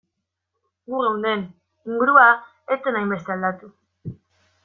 Gu geunden, ingurua ez zen hainbeste aldatu.